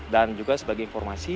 dan juga sebagai informasi